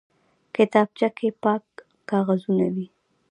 کتابچه کې پاک کاغذونه وي